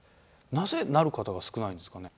なぜなる方が少ないんですかね？